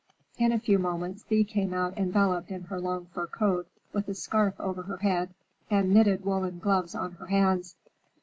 In a few moments Thea came out enveloped in her long fur coat with a scarf over her head and knitted woolen gloves on her hands.